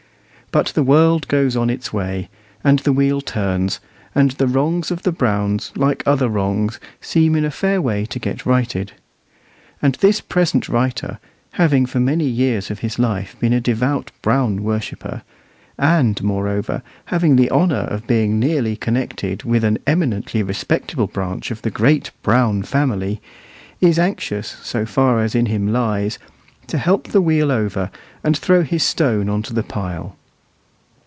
But the world goes on its way, and the wheel turns, and the wrongs of the Browns, like other wrongs, seem in a fair way to get righted. And this present writer, having for many years of his life been a devout Brown worshipper, and, moreover, having the honour of being nearly connected with an eminently respectable branch of the great Brown family, is anxious, so far as in him lies, to help the wheel over, and throw his stone on to the pile.